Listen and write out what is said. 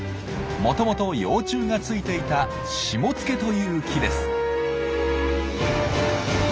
もともと幼虫がついていたシモツケという木です。